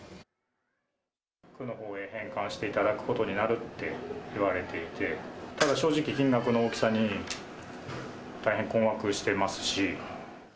区のほうへ返還していただくことになるって言われていて、ただ正直、金額の大きさに、大変困惑してますし。